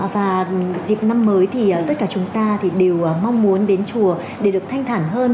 và dịp năm mới thì tất cả chúng ta thì đều mong muốn đến chùa để được thanh thản hơn